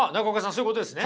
そういうことですね？